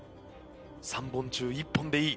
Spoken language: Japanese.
３本中１本でいい。